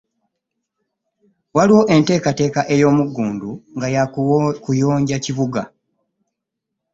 Waliwo enteekateeka ey'omuggundu nga ya kuyonja kibuga.